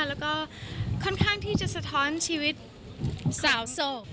แล้วก็ค่อนข้างที่จะสะท้อนชีวิตสาวโศก